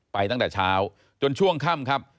ตั้งแต่เช้าจนช่วงค่ำครับ